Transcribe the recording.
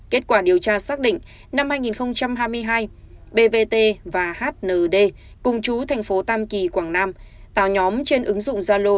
kết quả điều tra xác định năm hai nghìn hai mươi hai bvt và hnd cùng chú thành phố tam kỳ quảng nam tạo nhóm trên ứng dụng zalo